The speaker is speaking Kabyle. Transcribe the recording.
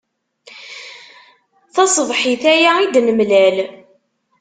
Taṣebḥit aya i d-nemlal.